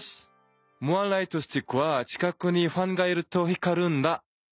モアライトスティックは近くにファンがいると光るんだ。